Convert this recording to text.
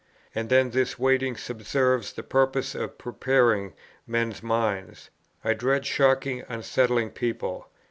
And then this waiting subserves the purpose of preparing men's minds. I dread shocking, unsettling people.